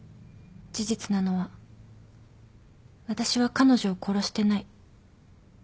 事実なのは私は彼女を殺してない。